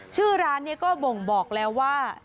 ชื่อร้านนี้ก็บ่งบอกแล้วว่า